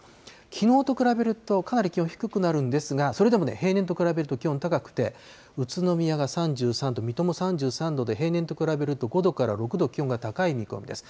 きのうと比べると、かなり気温低くなるんですが、それでも平年と比べると気温高くて、宇都宮が３３度、水戸も３３度で平年と比べると５度から６度気温が高い見込みです。